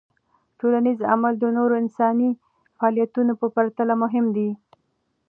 ټولنیز عمل د نورو انساني فعالیتونو په پرتله مهم دی.